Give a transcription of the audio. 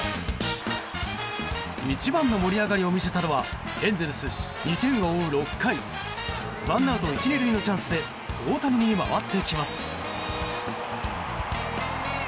一番の盛り上がりを見せたのはエンゼルス、２点を追う６回ワンアウト１、２塁のチャンスで大谷に回ってきます。